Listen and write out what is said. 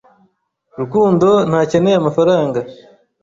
Rukundo ntakeneye amafaranga.